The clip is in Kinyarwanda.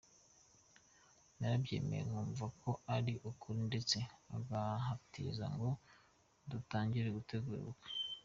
Narabyemeye nkumva ko ari ukuri ndetse agahatiriza ngo dutangire gutegura ubukwe.